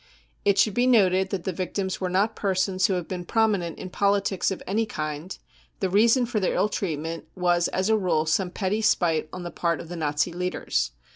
It should be | noted that the victims were not persons who had been I prominent in politics of any kind ; the reason for their ill treatment was as a rule some petty spite on the part of the Nazi leaders.